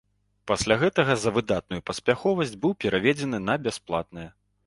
Пасля гэтага за выдатную паспяховасць быў перавезены на бясплатнае.